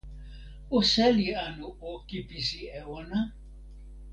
o seli anu o kipisi e ona?